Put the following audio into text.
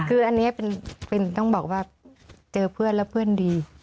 คืออันนี้เป็นต้องบอกว่าเจอเพื่อนแล้วเพื่อนดี